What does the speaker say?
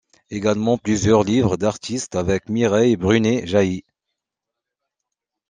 Egalement plusieurs livres d'artiste avec Mireille Brunet-Jailly.